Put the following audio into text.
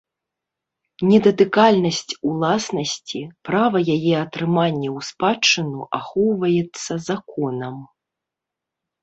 Недатыкальнасць уласнасці, права яе атрымання ў спадчыну ахоўваецца законам.